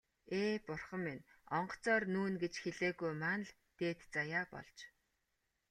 Ээ, бурхан минь, онгоцоор нүүнэ гэж хэлээгүй маань л дээд заяа болж.